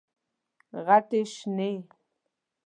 غټي شنې،